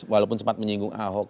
walaupun sempat menyinggung ahok